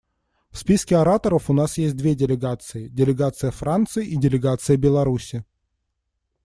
В списке ораторов у нас есть две делегации: делегация Франции и делегация Беларуси.